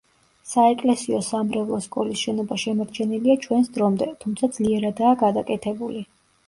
საეკლესიო-სამრევლო სკოლის შენობა შემორჩენილია ჩვენს დრომდე, თუმცა ძლიერადაა გადაკეთებული.